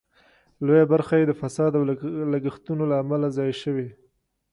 لویه برخه یې د فساد او لګښتونو له امله ضایع شوې.